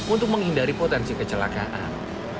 untuk menghindari potensi kecelakaan